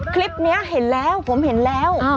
คลิปนี้เห็นแล้วผมเห็นแล้ว